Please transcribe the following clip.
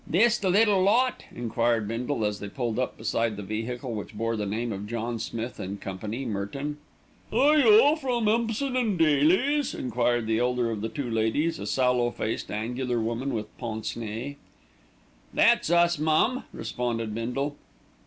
"This the little lot?" enquired Bindle as they pulled up beside the vehicle, which bore the name of John Smith & Company, Merton. "Are you from Empson & Daleys?" enquired the elder of the two ladies, a sallow faced, angular woman with pince nez. "That's us, mum," responded Bindle.